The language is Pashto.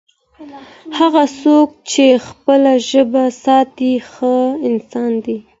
هغه څوک چي خپله ژبه ساتي، ښه انسان دی.